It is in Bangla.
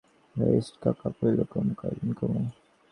কেষ্টর কাকা কইল, কমু, কালকেই কমু।